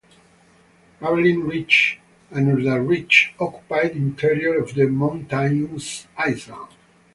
Ravelin Ridge and Urda Ridge occupy the interior of the mountainous island.